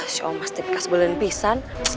semoga tidak kesy daya